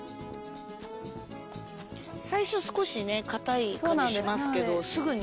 最初少しね硬い感じしますけどそうなんです